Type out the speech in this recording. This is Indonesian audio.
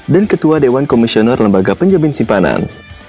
dan ketua dewan komisioner lembaga penjamin simpanan